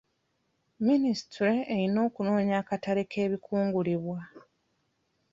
Minisitule erina okunoonya akatale k'ebikungulibwa.